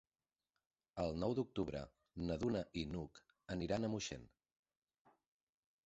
El nou d'octubre na Duna i n'Hug aniran a Moixent.